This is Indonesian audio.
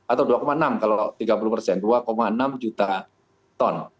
atau dua enam kalau tiga puluh persen dua enam juta ton